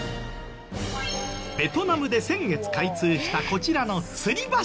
ベトナムで先月開通したこちらのつり橋。